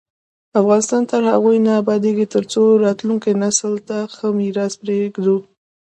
افغانستان تر هغو نه ابادیږي، ترڅو راتلونکي نسل ته ښه میراث پریږدو.